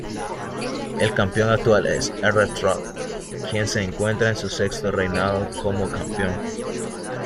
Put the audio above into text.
El campeón actual es R-Truth, quien se encuentra en su sexto reinado como campeón.